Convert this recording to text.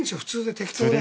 適当で。